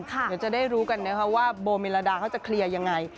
เดี๋ยวจะได้รู้กันนะคะว่าโบเมลาดาเขาจะเคลียร์ยังไง